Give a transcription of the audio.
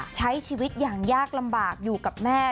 ใช้ชีวิตอย่างยากลำบากอยู่กับแม่